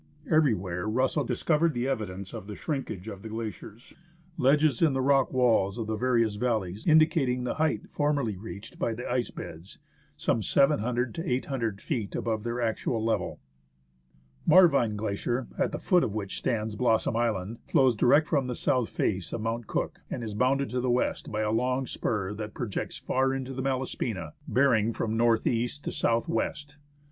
Everywhere Russell discovered evidence of the shrinkage of 55 THE ASCENT OF MOUNT ST. ELI AS the glaciers ; ledges in the rock walls of the various valle} s indi cating the height formerly reached by the ice beds, some 700 to 800 feet above their actual level. Marvine Glacier, at the foot of which stands Blossom Island, flows direct from the south face of Mount Cook, and is bounded to the west by a long spur that projects far into the Malaspina, bearing from north east to south west.